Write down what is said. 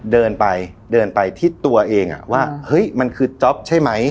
เดินไปเดินไปที่ตัวเองว่าเฮ้ยมันคือจ๊อปใช่ไหม